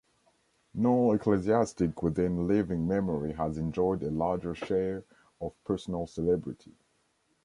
No ecclesiastic within living memory has enjoyed a larger share of personal celebrity.